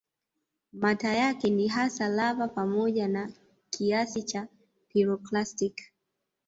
Mata yake ni hasa lava pamoja na kiasi cha piroklasti